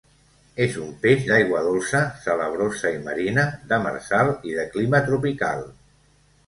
És un peix d'aigua dolça, salabrosa i marina; demersal i de clima tropical.